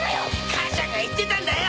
母ちゃんが言ってたんだよ！